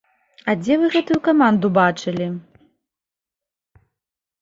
А дзе вы гэтую каманду бачылі!